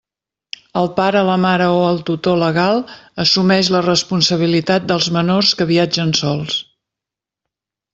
El pare, la mare o el tutor legal assumeix la responsabilitat dels menors que viatgen sols.